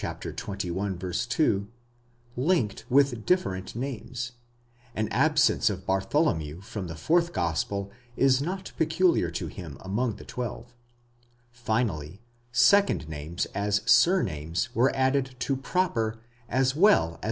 2), linked with different names; the absence of Bartholomew from the fourth gospel is not peculiar to him among the twelve ; finally, second names as surnames were added to proper as well 85.